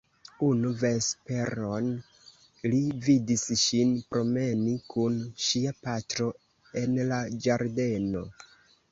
Unu vesperon li vidis ŝin promeni kun ŝia patro en la ĝardeno.